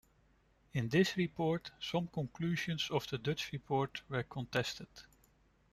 In this report some conclusions of the Dutch report were contested.